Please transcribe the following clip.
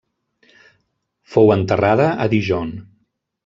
Fou enterrada a Dijon.